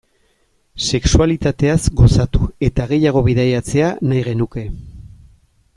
Sexualitateaz gozatu eta gehiago bidaiatzea nahi genuke.